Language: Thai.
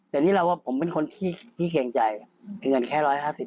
แต่นี่เราว่าผมเป็นคนที่เคียงใจเงินแค่๑๕๐